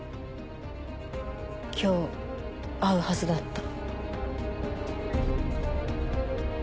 今日会うはずだった。